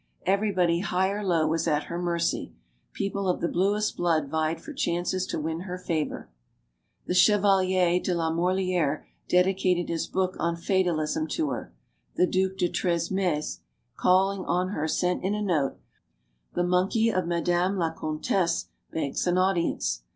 Everybody, high or low, was at her mercy. People of the bluest blood vied for chances to win her favor. The Chevalier de la Morliere dedicated his book on Fatalism to her. The Due de Tresmes, calling on her, sent in a note: "The monkey of Madame la Com tesse begs an audience."